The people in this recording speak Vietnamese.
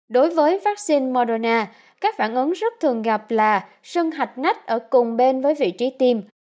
đối với vaccine moderna các phản ứng rất thường gặp là sân hạch nách ở cùng bên với vị trí tiêm